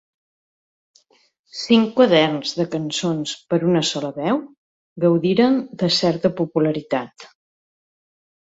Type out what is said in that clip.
Cinc quaderns de cançons per a una sola veu gaudiren de certa popularitat.